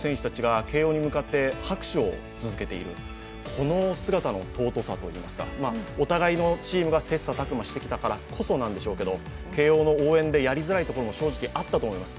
この姿の尊さといいますか、お互いのチームが切磋琢磨してきからこそなんでしょうけど、慶応の応援でやりづらいことも正直あったと思います。